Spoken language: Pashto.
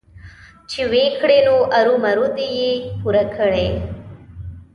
چې ويې کړي نو ارومرو دې يې پوره کړي.